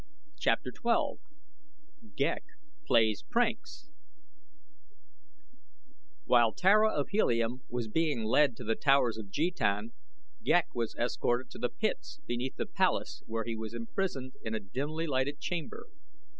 CHAPTER XII GHEK PLAYS PRANKS While Tara of Helium was being led to The Towers of Jetan, Ghek was escorted to the pits beneath the palace where he was imprisoned in a dimly lighted chamber.